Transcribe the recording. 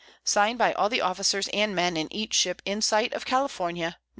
_ Sign'd by all the Officers and Men in each Ship in sight of California, Nov.